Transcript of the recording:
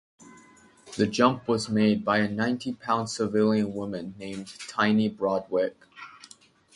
The jump was made by a ninety-pound civilian woman named Tiny Broadwick.